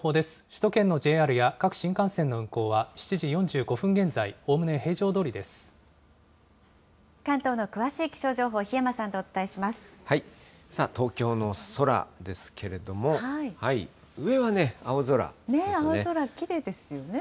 首都圏のＪＲや各新幹線の運行は７時４５分現在、おおむね平常ど関東の詳しい気象情報、檜山東京の空ですけれども、上は青空きれいですよね。